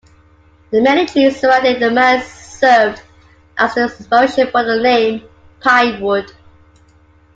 The many trees surrounding the manor served as the inspiration for the name "Pinewood".